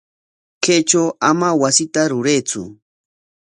Kaytraw ama wasita ruraytsu.